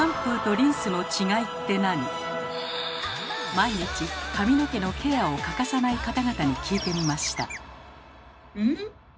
毎日髪の毛のケアを欠かさない方々に聞いてみました。